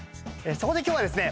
そこで今日はですね